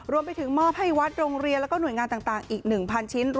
รวมไปถึงมอบให้วัดโรงเรียนแล้วก็หน่วยงานต่างอีก๑๐๐ชิ้น